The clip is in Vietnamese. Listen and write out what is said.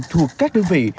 thuộc các đơn vị